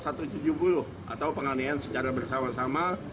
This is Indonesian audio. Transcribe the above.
atau penganian secara bersama sama